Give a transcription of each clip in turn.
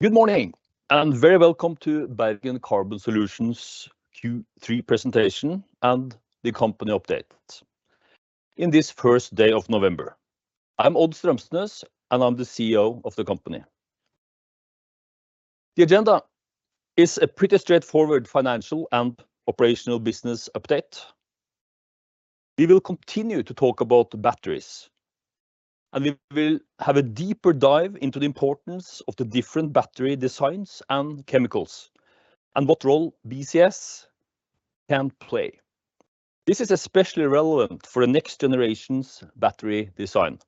Good morning, and very welcome to Bergen Carbon Solutions Q3 presentation and the company update in this first day of November. I'm Odd Strømsnes, and I'm the CEO of the company. The agenda is a pretty straightforward financial and operational business update. We will continue to talk about batteries, and we will have a deeper dive into the importance of the different battery designs and chemicals, and what role BCS can play. This is especially relevant for the next generation's battery design.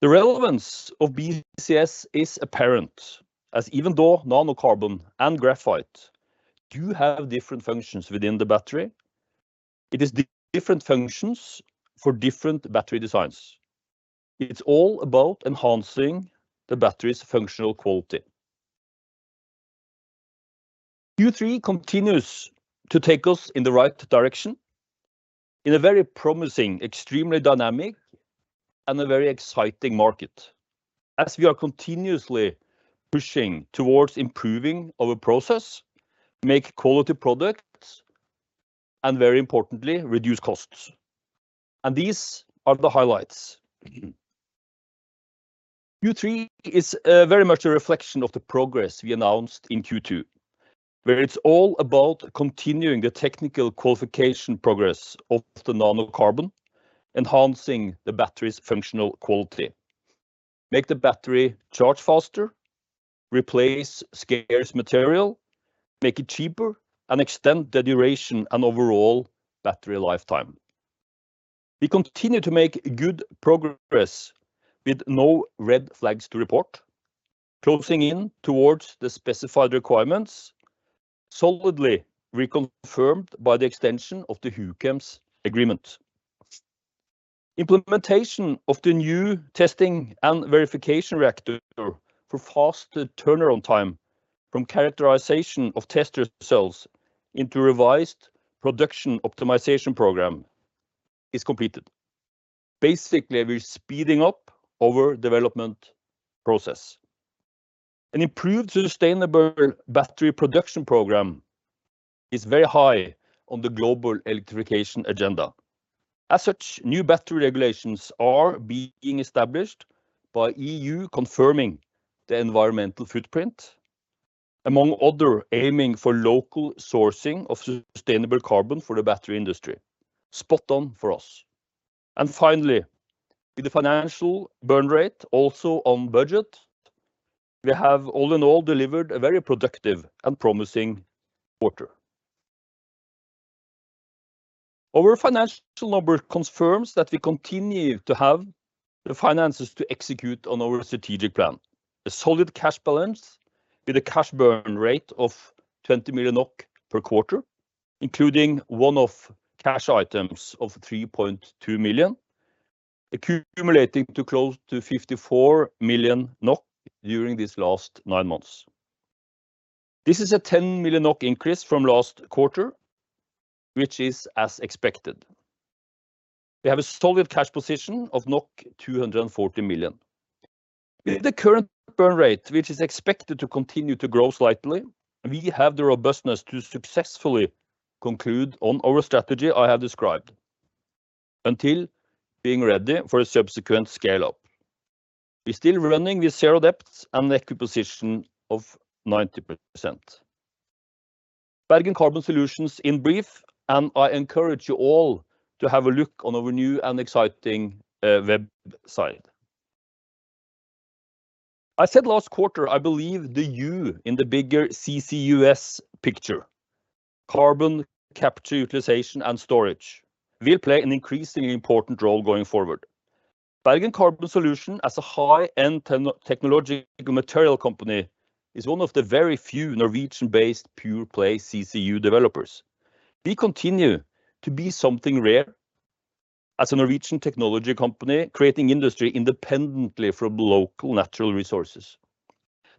The relevance of BCS is apparent, as even though nanocarbon and graphite do have different functions within the battery, it is the different functions for different battery designs. It's all about enhancing the battery's functional quality. Q3 continues to take us in the right direction in a very promising, extremely dynamic, and a very exciting market, as we are continuously pushing towards improving our process, make quality products, and very importantly, reduce costs. These are the highlights. Q3 is very much a reflection of the progress we announced in Q2, where it's all about continuing the technical qualification progress of the nanocarbon, enhancing the battery's functional quality, make the battery charge faster, replace scarce material, make it cheaper, and extend the duration and overall battery lifetime. We continue to make good progress with no red flags to report, closing in towards the specified requirements, solidly reconfirmed by the extension of the Huchems' agreement. Implementation of the new testing and verification reactor for faster turnaround time from characterization of tester cells into revised production optimization program is completed. Basically, we're speeding up our development process. An improved sustainable battery production program is very high on the global electrification agenda. As such, new battery regulations are being established by EU, confirming the environmental footprint, among other, aiming for local sourcing of sustainable carbon for the battery industry. Spot on for us. And finally, with the financial burn rate also on budget, we have all in all delivered a very productive and promising quarter. Our financial number confirms that we continue to have the finances to execute on our strategic plan. A solid cash balance, with a cash burn rate of 20 million NOK per quarter, including one-off cash items of 3.2 million, accumulating to close to 54 million NOK during these last nine months. This is a 10 million NOK increase from last quarter, which is as expected. We have a solid cash position of 240 million. With the current burn rate, which is expected to continue to grow slightly, we have the robustness to successfully conclude on our strategy I have described until being ready for a subsequent scale-up. We're still running with 0 debts and equity position of 90%. Bergen Carbon Solutions in brief, and I encourage you all to have a look on our new and exciting website. I said last quarter, I believe the "U" in the bigger CCUS picture, carbon capture utilization and storage, will play an increasingly important role going forward. Bergen Carbon Solutions, as a high-end technological material company, is one of the very few Norwegian-based pure-play CCU developers. We continue to be something rare as a Norwegian technology company, creating industry independently from local natural resources.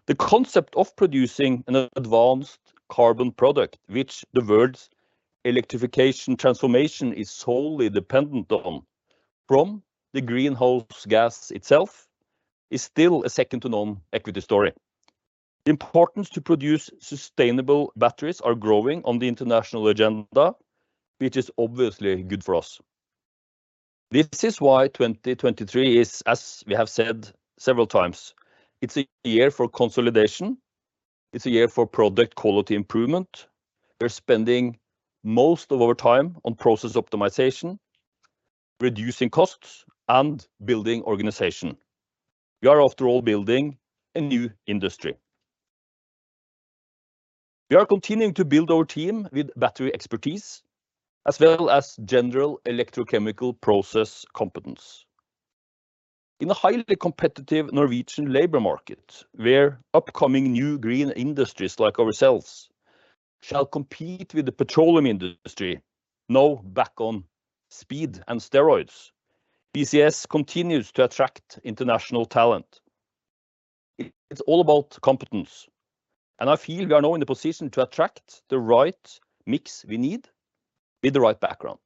The concept of producing an advanced carbon product, which the world's electrification transformation is solely dependent on, from the greenhouse gas itself, is still a second-to-none equity story. The importance to produce sustainable batteries are growing on the international agenda, which is obviously good for us. This is why 2023 is, as we have said several times, it's a year for consolidation, it's a year for product quality improvement. We're spending most of our time on process optimization, reducing costs, and building organization. We are, after all, building a new industry. We are continuing to build our team with battery expertise, as well as general electrochemical process competence. In a highly competitive Norwegian labor market, where upcoming new green industries like ourselves shall compete with the petroleum industry, now back on speed and steroids, BCS continues to attract international talent. It's all about competence, and I feel we are now in the position to attract the right mix we need with the right background.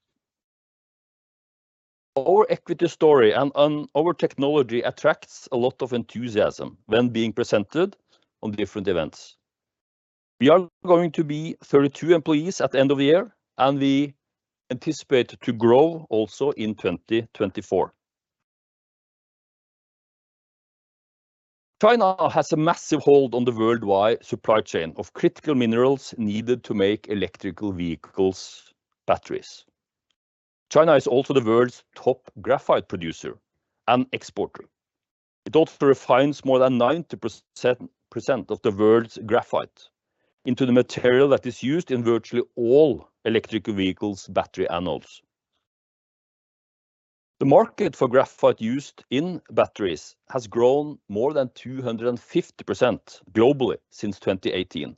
Our equity story and, and our technology attracts a lot of enthusiasm when being presented on different events. We are going to be 32 employees at the end of the year, and we anticipate to grow also in 2024. China has a massive hold on the worldwide supply chain of critical minerals needed to make electric vehicles' batteries. China is also the world's top graphite producer and exporter. It also refines more than 90% of the world's graphite into the material that is used in virtually all electric vehicles' battery anodes. The market for graphite used in batteries has grown more than 250% globally since 2018.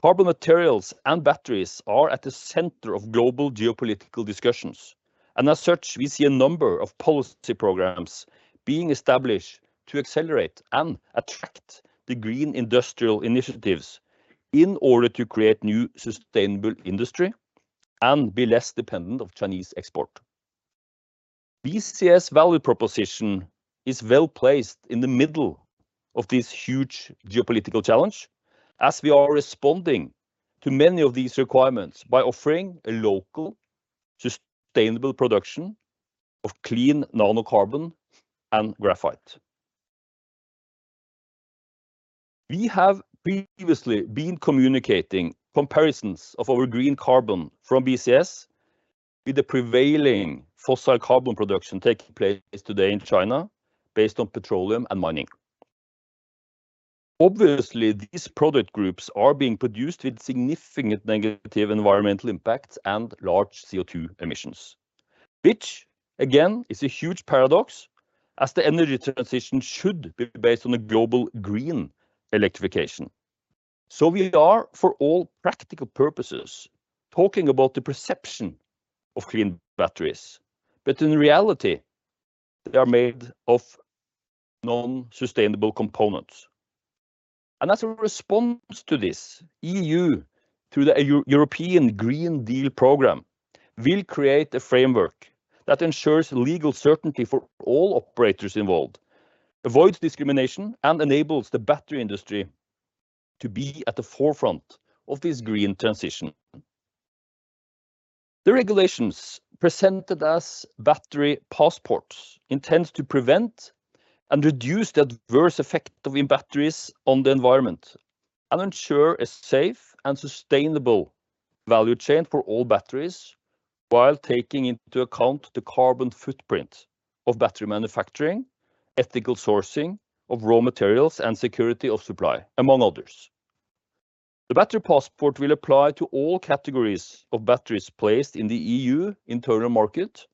Carbon materials and batteries are at the center of global geopolitical discussions, and as such, we see a number of policy programs being established to accelerate and attract the green industrial initiatives in order to create new sustainable industry and be less dependent of Chinese export. BCS value proposition is well-placed in the middle of this huge geopolitical challenge, as we are responding to many of these requirements by offering a local, sustainable production of clean nanocarbon and graphite. We have previously been communicating comparisons of our green carbon from BCS with the prevailing fossil carbon production taking place today in China, based on petroleum and mining. Obviously, these product groups are being produced with significant negative environmental impacts and large CO2 emissions, which, again, is a huge paradox, as the energy transition should be based on a global green electrification. So we are, for all practical purposes, talking about the perception of clean batteries, but in reality, they are made of non-sustainable components. And as a response to this, EU, through the European Green Deal program, will create a framework that ensures legal certainty for all operators involved, avoids discrimination, and enables the battery industry to be at the forefront of this green transition. The regulations presented as Battery Passports intends to prevent and reduce the adverse effect of batteries on the environment and ensure a safe and sustainable value chain for all batteries, while taking into account the carbon footprint of battery manufacturing, ethical sourcing of raw materials, and security of supply, among others. The Battery Passport will apply to all categories of batteries placed in the EU internal market,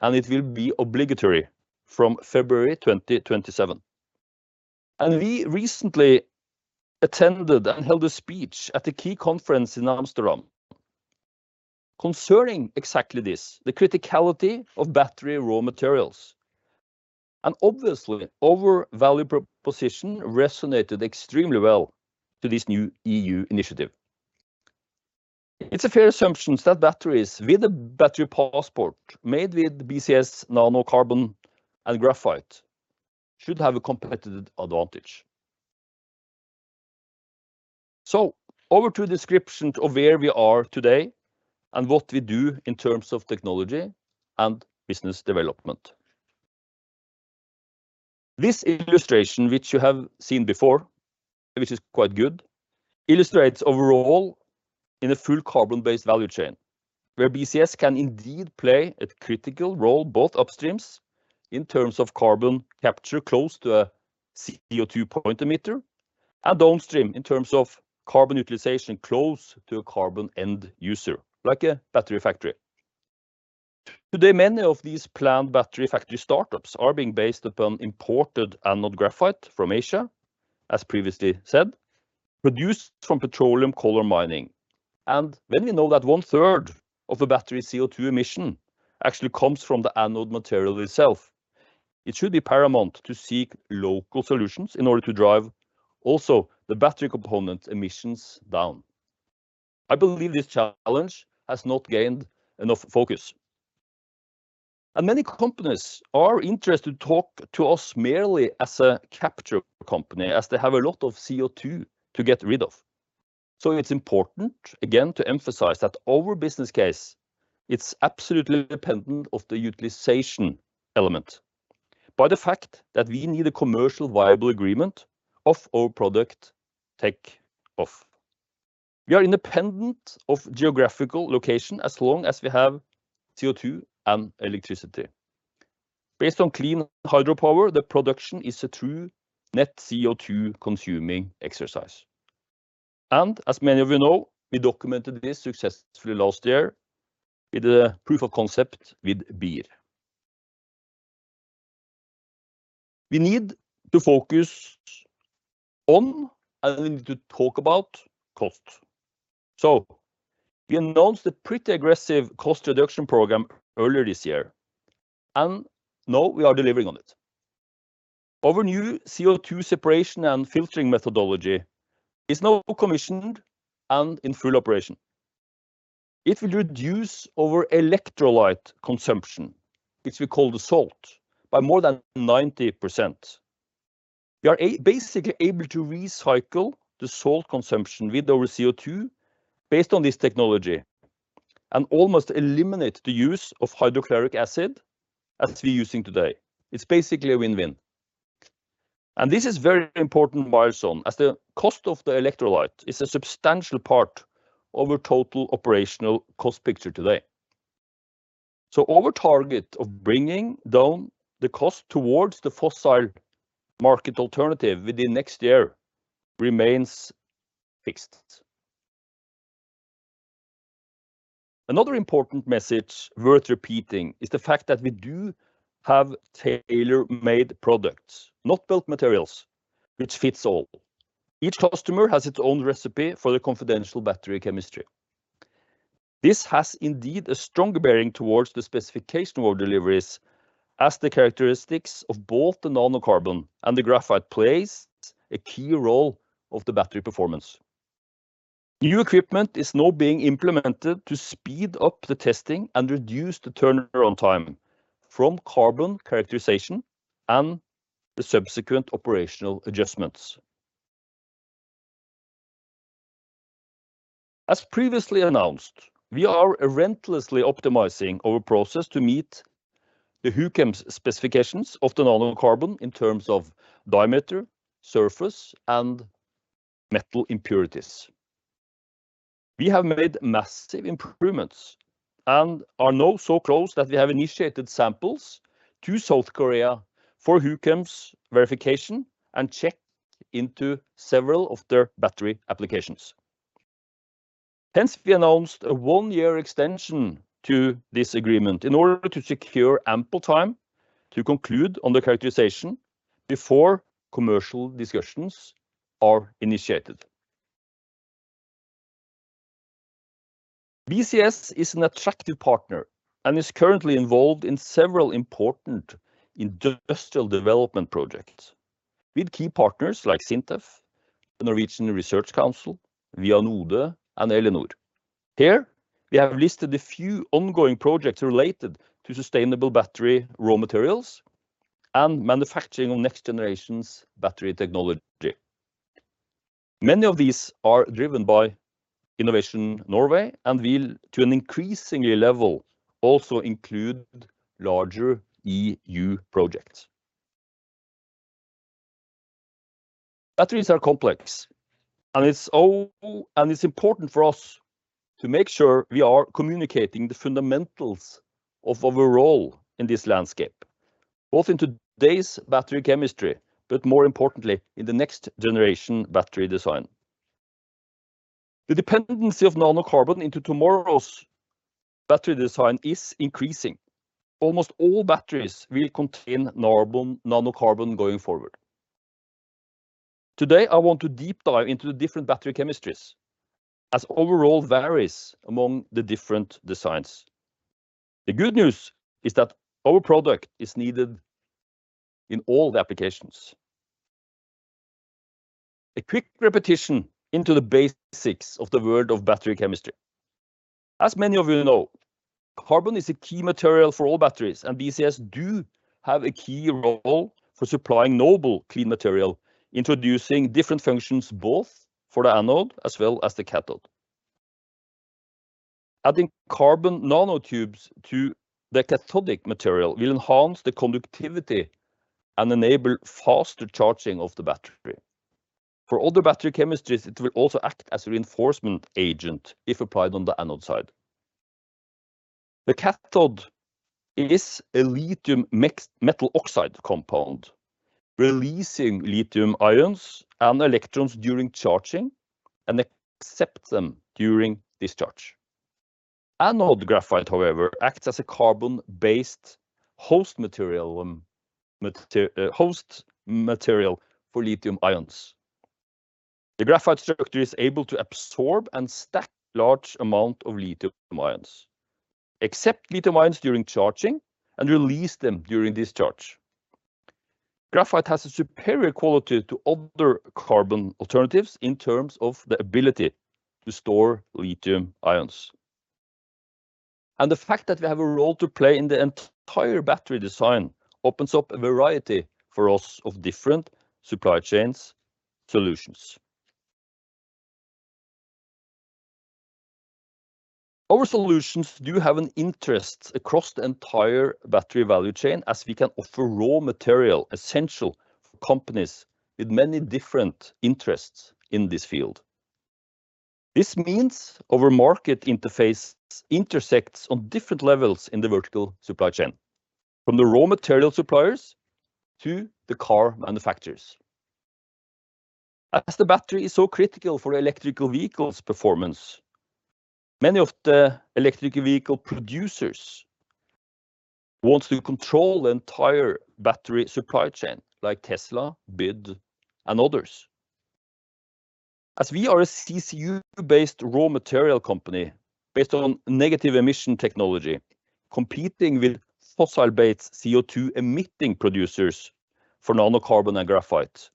and it will be obligatory from February 2027. We recently attended and held a speech at a key conference in Amsterdam concerning exactly this, the criticality of battery raw materials. Obviously, our value proposition resonated extremely well to this new EU initiative. It's a fair assumption that batteries with a Battery Passport made with BCS Nanocarbon and graphite should have a competitive advantage. Over to a description of where we are today and what we do in terms of technology and business development. This illustration, which you have seen before, which is quite good, illustrates our role in a full carbon-based value chain, where BCS can indeed play a critical role, both upstream, in terms of carbon capture, close to a CO2 point emitter, and downstream in terms of carbon utilization, close to a carbon end user, like a battery factory. Today, many of these planned battery factory startups are being based upon imported anode graphite from Asia, as previously said, produced from petroleum coal mining. And when we know that one third of the battery CO2 emission actually comes from the anode material itself, it should be paramount to seek local solutions in order to drive also the battery component emissions down. I believe this challenge has not gained enough focus, and many companies are interested to talk to us merely as a capture company, as they have a lot of CO2 to get rid of. So it's important, again, to emphasize that our business case, it's absolutely dependent of the utilization element, by the fact that we need a commercial viable agreement of our product take off. We are independent of geographical location as long as we have CO2 and electricity. Based on clean hydropower, the production is a true net CO2 consuming exercise, and as many of you know, we documented this successfully last year with a proof of concept with BIR. We need to focus on and we need to talk about cost. So we announced a pretty aggressive cost reduction program earlier this year, and now we are delivering on it. Our new CO2 separation and filtering methodology is now commissioned and in full operation. It will reduce our electrolyte consumption, which we call the salt, by more than 90%. We are basically able to recycle the salt consumption with our CO2 based on this technology, and almost eliminate the use of hydrochloric acid as we're using today. It's basically a win-win. And this is very important milestone, as the cost of the electrolyte is a substantial part of our total operational cost picture today. Our target of bringing down the cost towards the fossil market alternative within next year remains fixed. Another important message worth repeating is the fact that we do have tailor-made products, not built materials, which fits all. Each customer has its own recipe for the confidential battery chemistry. This has indeed a strong bearing towards the specification of our deliveries, as the characteristics of both the nanocarbon and the graphite plays a key role of the battery performance. New equipment is now being implemented to speed up the testing and reduce the turnaround time from carbon characterization and the subsequent operational adjustments. As previously announced, we are relentlessly optimizing our process to meet the Huchems' specifications of the nanocarbon in terms of diameter, surface, and metal impurities. We have made massive improvements and are now so close that we have initiated samples to South Korea for Huchems' verification and checked into several of their battery applications. Hence, we announced a one-year extension to this agreement in order to secure ample time to conclude on the characterization before commercial discussions are initiated. BCS is an attractive partner and is currently involved in several important industrial development projects with key partners like SINTEF, the Norwegian Research Council, Vianode, and Elinor. Here, we have listed a few ongoing projects related to sustainable battery, raw materials, and manufacturing of next generation's battery technology. Many of these are driven by Innovation Norway, and will, to an increasingly level, also include larger EU projects. Batteries are complex, and it's important for us to make sure we are communicating the fundamentals of our role in this landscape, both in today's battery chemistry, but more importantly, in the next generation battery design. The dependency of nanocarbon into tomorrow's battery design is increasing. Almost all batteries will contain nanocarbon going forward. Today, I want to deep dive into the different battery chemistries, as overall varies among the different designs. The good news is that our product is needed in all the applications. A quick repetition into the basics of the world of battery chemistry. As many of you know, carbon is a key material for all batteries, and BCS does have a key role for supplying novel, clean material, introducing different functions, both for the anode as well as the cathode. Adding carbon nanotubes to the cathodic material will enhance the conductivity and enable faster charging of the battery. For other battery chemistries, it will also act as a reinforcement agent if applied on the anode side. The cathode is a lithium mixed-metal oxide compound, releasing lithium ions and electrons during charging, and accept them during discharge. Anode graphite, however, acts as a carbon-based host material for lithium ions. The graphite structure is able to absorb and stack large amount of lithium ions, accept lithium ions during charging, and release them during discharge. Graphite has a superior quality to other carbon alternatives in terms of the ability to store lithium ions. The fact that we have a role to play in the entire battery design opens up a variety for us of different supply chains solutions. Our solutions do have an interest across the entire battery value chain, as we can offer raw material essential for companies with many different interests in this field. This means our market interface intersects on different levels in the vertical supply chain, from the raw material suppliers to the car manufacturers. As the battery is so critical for electrical vehicles' performance, many of the electric vehicle producers want to control the entire battery supply chain, like Tesla, BYD, and others. As we are a CCU-based raw material company based on negative emission technology, competing with fossil-based CO2-emitting producers for nanocarbon and graphite.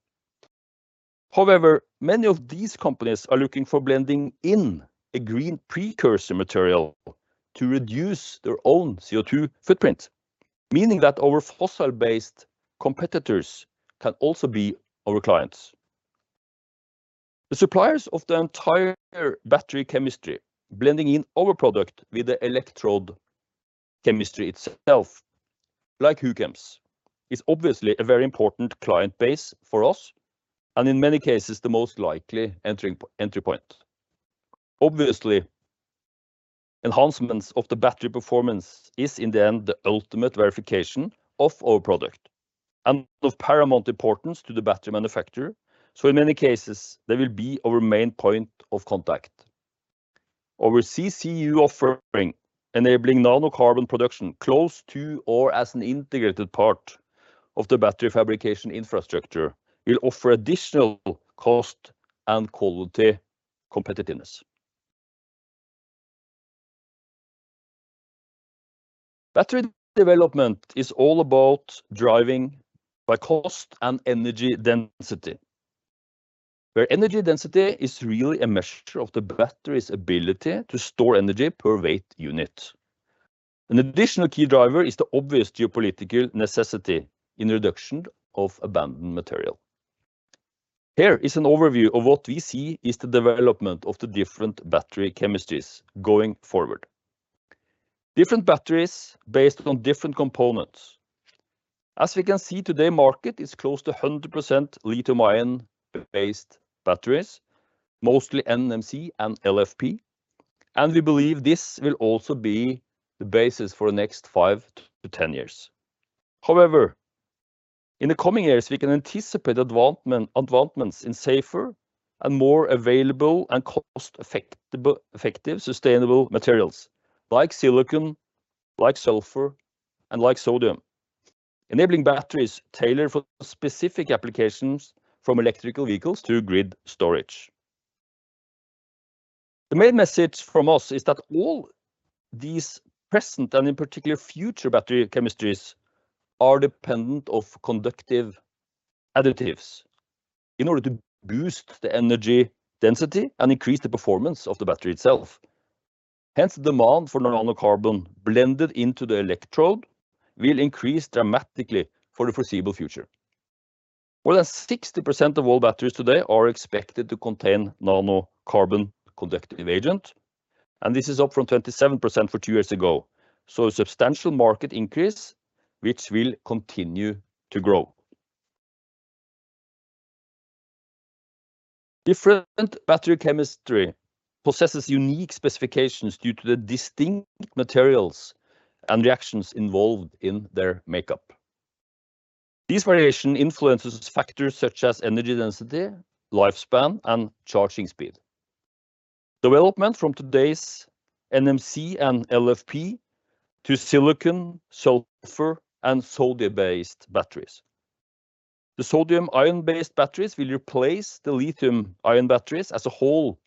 However, many of these companies are looking for blending in a green precursor material to reduce their own CO2 footprint, meaning that our fossil-based competitors can also be our clients. The suppliers of the entire battery chemistry, blending in our product with the electrode chemistry itself, like Huchems, is obviously a very important client base for us, and in many cases, the most likely entry point. Obviously, enhancements of the battery performance is, in the end, the ultimate verification of our product and of paramount importance to the battery manufacturer. So in many cases, they will be our main point of contact. Our CCU offering, enabling nanocarbon production close to or as an integrated part of the battery fabrication infrastructure, will offer additional cost and quality competitiveness. Battery development is all about driving by cost and energy density, where energy density is really a measure of the battery's ability to store energy per weight unit. An additional key driver is the obvious geopolitical necessity in reduction of abundant material. Here is an overview of what we see is the development of the different battery chemistries going forward. Different batteries based on different components. As we can see today, the market is close to 100% lithium-ion-based batteries, mostly NMC and LFP, and we believe this will also be the basis for the next five to 10 years. However, in the coming years, we can anticipate advancements in safer and more available and cost-effective sustainable materials like silicon, like sulfur, and like sodium, enabling batteries tailored for specific applications from electric vehicles to grid storage. The main message from us is that all these present, and in particular, future battery chemistries, are dependent on conductive additives in order to boost the energy density and increase the performance of the battery itself. Hence, the demand for nanocarbon blended into the electrode will increase dramatically for the foreseeable future. More than 60% of all batteries today are expected to contain nano carbon conductive agent, and this is up from 27% for two years ago. A substantial market increase, which will continue to grow. Different battery chemistry possesses unique specifications due to the distinct materials and reactions involved in their makeup. These variations influence factors such as energy density, lifespan, and charging speed. Development from today's NMC and LFP to silicon, sulfur, and sodium-based batteries. The sodium-ion-based batteries will replace the lithium-ion batteries as a whole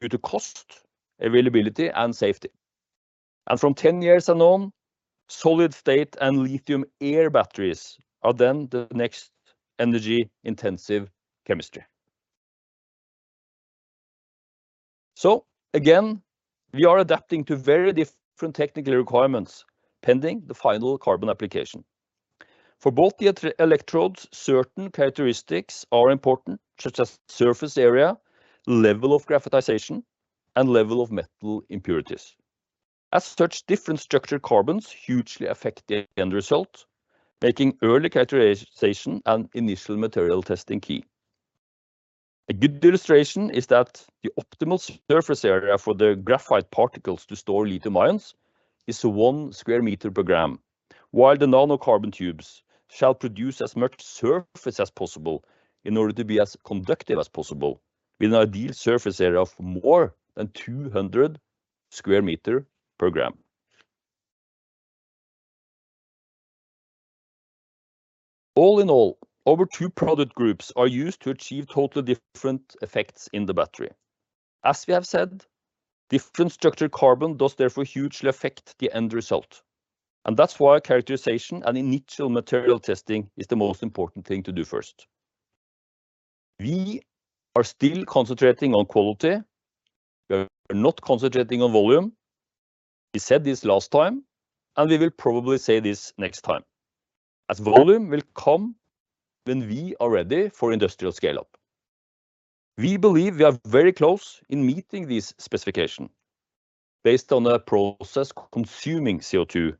due to cost, availability, and safety. From 10 years and on, solid-state and lithium-air batteries are then the next energy-intensive chemistry. Again, we are adapting to very different technical requirements, pending the final carbon application. For both the electrodes, certain characteristics are important, such as surface area, level of graphitization, and level of metal impurities. As such, different structure carbons hugely affect the end result, making early characterization and initial material testing key. A good illustration is that the optimal surface area for the graphite particles to store lithium ions is 1 square meter per gram, while the nanocarbon tubes shall produce as much surface as possible in order to be as conductive as possible, with an ideal surface area of more than 200 square meters per gram. All in all, over two product groups are used to achieve totally different effects in the battery. As we have said, different structured carbon does therefore hugely affect the end result, and that's why characterization and initial material testing is the most important thing to do first. We are still concentrating on quality. We are not concentrating on volume. We said this last time, and we will probably say this next time, as volume will come when we are ready for industrial scale-up. We believe we are very close in meeting this specification based on a process consuming CO2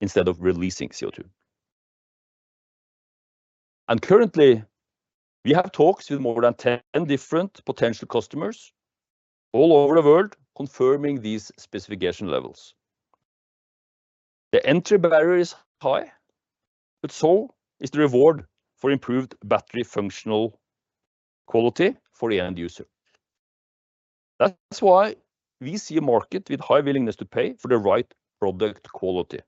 instead of releasing CO2. Currently, we have talks with more than 10 different potential customers all over the world, confirming these specification levels. The entry barrier is high, but so is the reward for improved battery functional quality for the end user. That's why we see a market with high willingness to pay for the right product quality,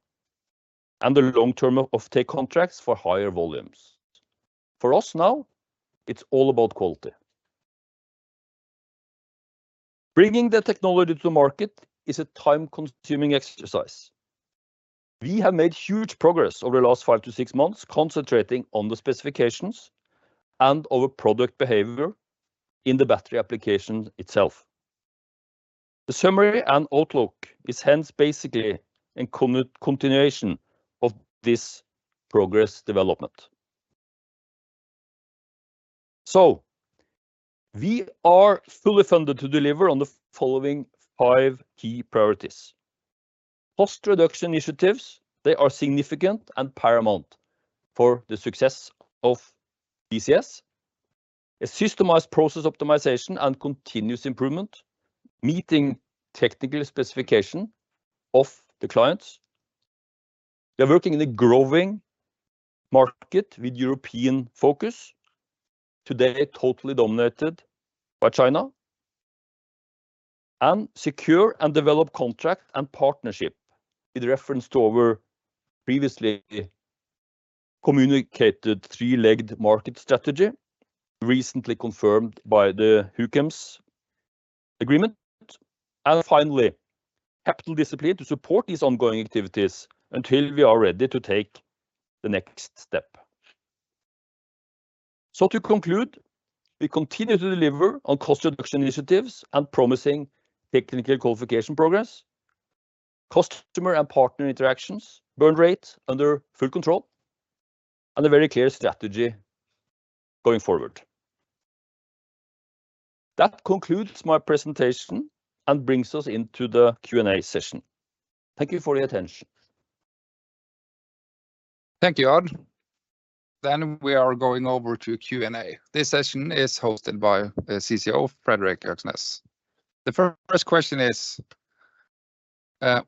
and the long-term offtake contracts for higher volumes. For us now, it's all about quality. Bringing the technology to market is a time-consuming exercise. We have made huge progress over the last 5-6 months, concentrating on the specifications and our product behavior in the battery application itself. The summary and outlook is hence basically in continuation of this progress development. So, we are fully funded to deliver on the following five key priorities: cost reduction initiatives, they are significant and paramount for the success of BCS. A systemized process optimization and continuous improvement. Meeting technical specification of the clients. We are working in a growing market with European focus, today totally dominated by China. And secure and develop contract and partnership, with reference to our previously communicated three-legged market strategy, recently confirmed by the Høyanger agreement. And finally, capital discipline to support these ongoing activities until we are ready to take the next step. So to conclude, we continue to deliver on cost reduction initiatives and promising technical qualification progress, customer and partner interactions, burn rate under full control, and a very clear strategy going forward. That concludes my presentation and brings us into the Q&A session. Thank you for your attention. Thank you, Odd. Then we are going over to Q&A. This session is hosted by CCO Fredrik Øksnes. The first question is,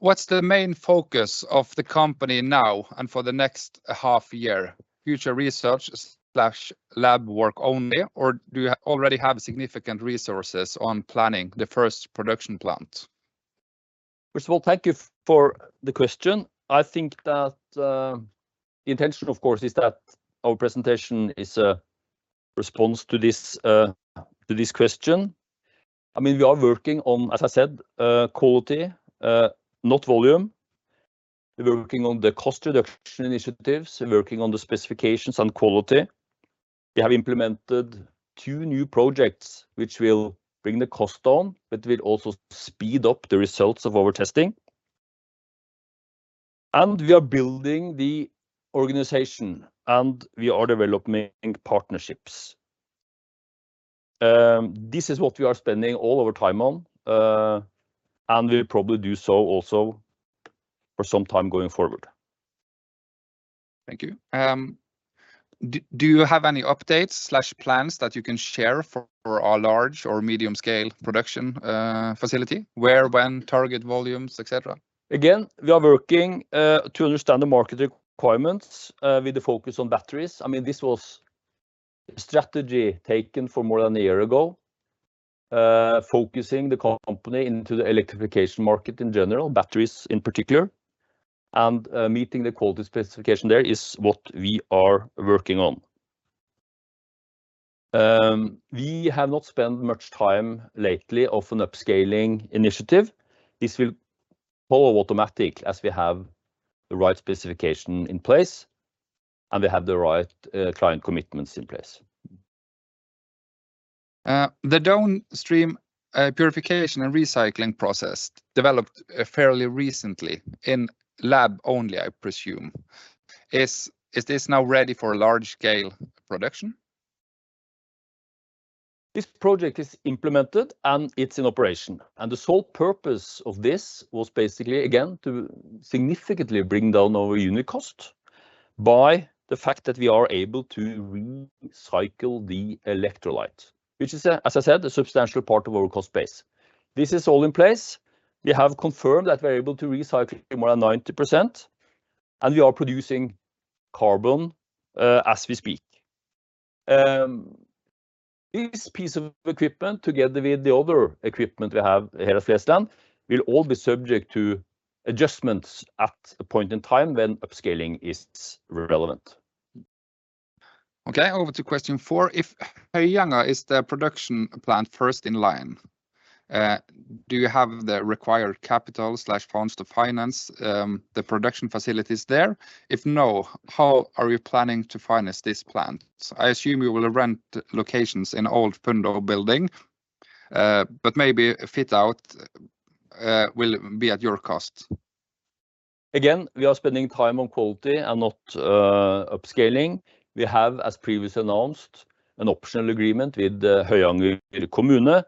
what's the main focus of the company now and for the next half year? Future research slash lab work only, or do you already have significant resources on planning the first production plant? First of all, thank you for the question. I think that, the intention, of course, is that our presentation is a response to this, to this question. I mean, we are working on, as I said, quality, not volume. We're working on the cost reduction initiatives. We're working on the specifications and quality. We have implemented two new projects, which will bring the cost down, but will also speed up the results of our testing. And we are building the organization, and we are developing partnerships. This is what we are spending all of our time on, and we'll probably do so also for some time going forward. Thank you. Do you have any updates slash plans that you can share for our large or medium scale production facility? Where, when, target volumes, et cetera. Again, we are working to understand the market requirements with the focus on batteries. I mean, this was strategy taken for more than a year ago, focusing the company into the electrification market in general, batteries in particular, and meeting the quality specification there is what we are working on. We have not spent much time lately of an upscaling initiative. This will follow automatic as we have the right specification in place, and we have the right client commitments in place. The downstream purification and recycling process developed fairly recently in lab only, I presume. Is this now ready for large-scale production? This project is implemented, and it's in operation, and the sole purpose of this was basically, again, to significantly bring down our unit cost by the fact that we are able to recycle the electrolyte, which is, as I said, a substantial part of our cost base. This is all in place. We have confirmed that we're able to recycle more than 90%, and we are producing carbon as we speak. This piece of equipment, together with the other equipment we have here at Flesland, will all be subject to adjustments at a point in time when upscaling is relevant. Okay, over to question four: If Høyanger is the production plant first in line, do you have the required capital slash funds to finance the production facilities there? If no, how are you planning to finance this plant? I assume you will rent locations in old Fundo building, but maybe fit out will be at your cost. Again, we are spending time on quality and not upscaling. We have, as previously announced, an optional agreement with the Høyanger Kommune.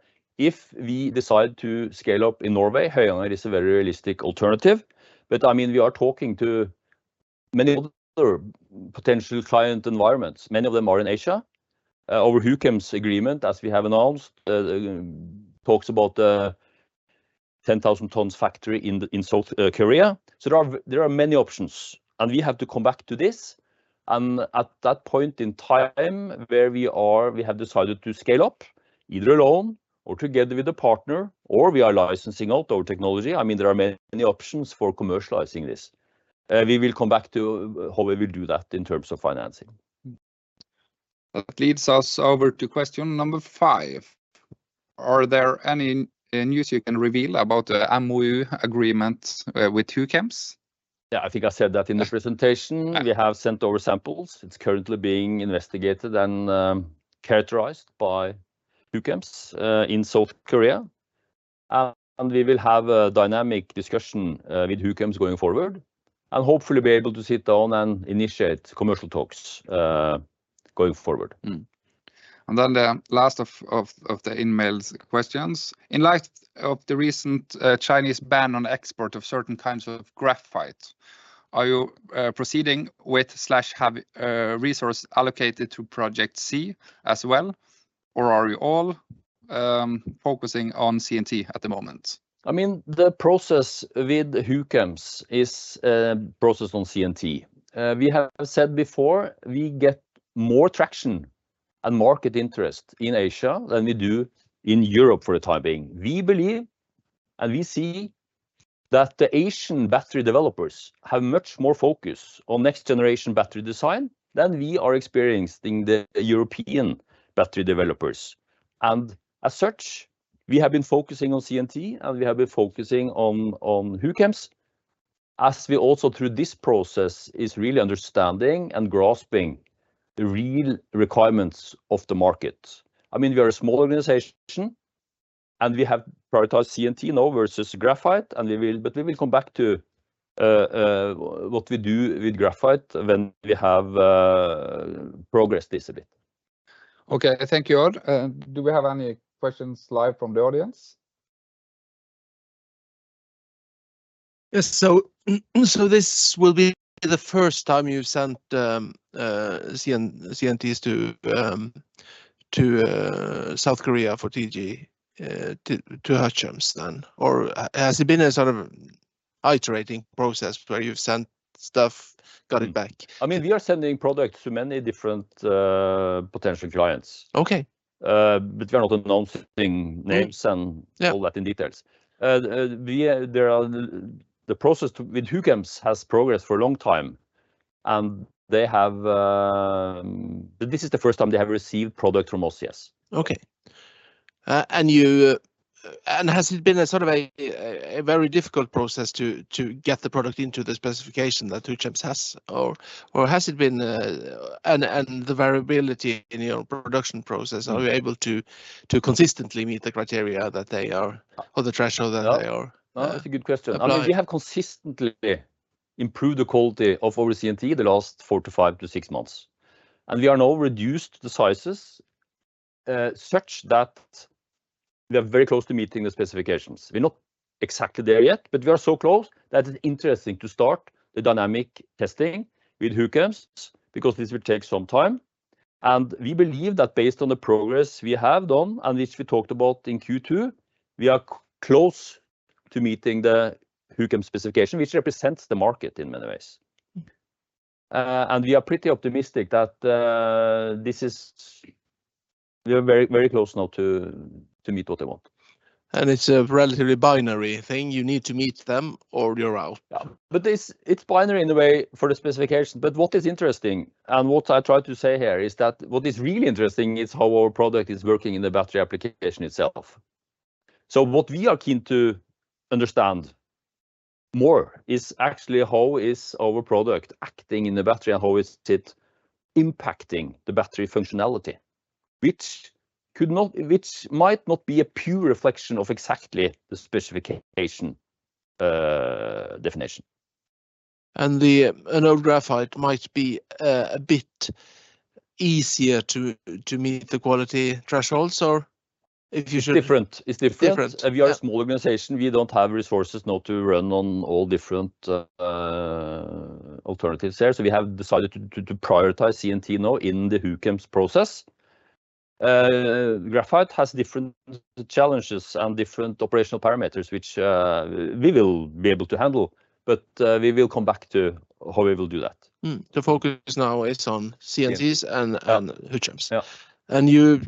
If we decide to scale up in Norway, Høyanger is a very realistic alternative, but I mean, we are talking to many other potential client environments. Many of them are in Asia. Our TKG Huchems agreement, as we have announced, talks about the 10,000 tons factory in South Korea. So there are many options, and we have to come back to this, and at that point in time where we are, we have decided to scale up, either alone or together with a partner, or we are licensing out our technology. I mean, there are many options for commercializing this. We will come back to how we will do that in terms of financing. That leads us over to question number five: Are there any, any news you can reveal about MOU agreements with Huchems? Yeah, I think I said that in the presentation. Yeah. We have sent over samples. It's currently being investigated and characterized by Huchems in South Korea. And we will have a dynamic discussion with Huchems going forward, and hopefully be able to sit down and initiate commercial talks going forward. And then the last of the in-mails questions: In light of the recent Chinese ban on export of certain kinds of graphite, are you proceeding with slash have resource allocated to project C as well, or are you all focusing on CNT at the moment? I mean, the process with Huchems is a process on CNT. We have said before we get more traction and market interest in Asia than we do in Europe for the time being. We believe, and we see, that the Asian battery developers have much more focus on next-generation battery design than we are experiencing the European battery developers. And as such, we have been focusing on CNT, and we have been focusing on, on Huchems, as we also, through this process, is really understanding and grasping the real requirements of the market. I mean, we are a small organization, and we have prioritized CNT now versus graphite, and we will—but we will come back to what we do with graphite when we have progressed this a bit. Okay. Thank you, Odd. Do we have any questions live from the audience? Yes, so this will be the first time you've sent CNTs to South Korea for TKG Huchems then? Or has it been a sort of iterative process where you've sent stuff, got it back? I mean, we are sending products to many different potential clients. Okay. But we are not announcing names- Yeah... and all that in detail. The process with Huchems has progressed for a long time, and they have... This is the first time they have received product from BCS. Okay. And has it been sort of a very difficult process to get the product into the specification that Huchems has, or has it been... And the variability in your production process, are you able to consistently meet the criteria that they are, or the threshold that they are? Oh, that's a good question. Uh- I mean, we have consistently improved the quality of our CNT the last 4 to 5 to 6 months, and we are now reduced the sizes such that we are very close to meeting the specifications. We're not exactly there yet, but we are so close that it's interesting to start the dynamic testing with Huchems, because this will take some time. And we believe that based on the progress we have done, and which we talked about in Q2, we are close to meeting the Huchems specification, which represents the market in many ways. And we are pretty optimistic that this is... We are very, very close now to meet what they want. It's a relatively binary thing. You need to meet them, or you're out. Yeah. But it's binary in a way for the specification, but what is interesting, and what I try to say here, is that what is really interesting is how our product is working in the battery application itself. So what we are keen to understand more is actually how our product is acting in the battery, and how is it impacting the battery functionality, which might not be a pure reflection of exactly the specification definition. An anode graphite might be a bit easier to meet the quality thresholds, or if you should- It's different. It's different. Different, yeah. We are a small organization. We don't have resources now to run on all different alternatives there, so we have decided to prioritize CNT now in the Huchems process. Graphite has different challenges and different operational parameters, which we will be able to handle, but we will come back to how we will do that. The focus now is on CNTs. Yes... and Huchems. Yeah. You,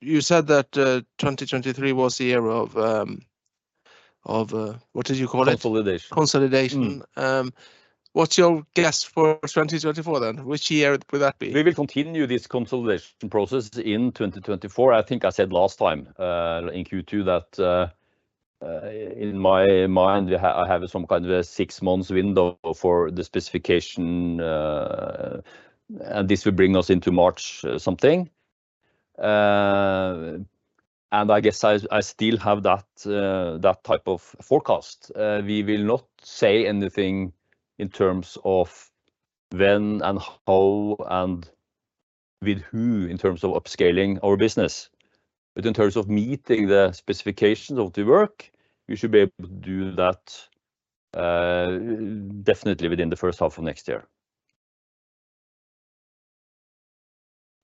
you said that 2023 was the year of what did you call it? Consolidation. Consolidation. Mm. What's your guess for 2024, then? Which year would that be? We will continue this consolidation process in 2024. I think I said last time, in Q2, that, in my mind, I have some kind of a 6-month window for the specification, and this will bring us into March something. I guess I still have that type of forecast. We will not say anything in terms of when and how, and with who, in terms of upscaling our business. But in terms of meeting the specifications of the work, we should be able to do that, definitely within the first half of next year.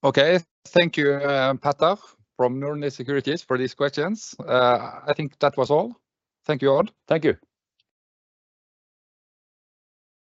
Okay. Thank you, Petter from Nordnet Securities, for these questions. I think that was all. Thank you, Odd. Thank you.